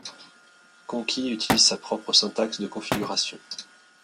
Conky utilise sa propre syntaxe de configuration.